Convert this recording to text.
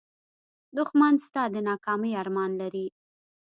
دښمن ستا د ناکامۍ ارمان لري